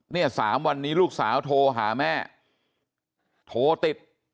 เนี่ยสามวันนี้ลูกสาวโทรหาแม่โทรติด